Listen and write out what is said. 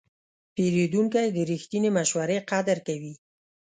پیرودونکی د رښتینې مشورې قدر کوي.